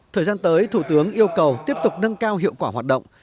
thời gian tới thủ tướng yêu cầu tiếp tục nâng cao hiệu quả hoạt động